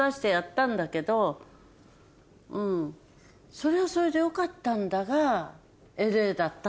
それはそれでよかったんだが。